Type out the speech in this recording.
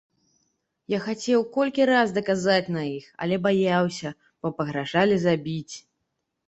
Я хацеў колькі раз даказаць на іх, але баяўся, бо пагражалі забіць.